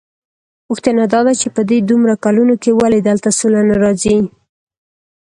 پوښتنه داده چې په دې دومره کلونو کې ولې دلته سوله نه راځي؟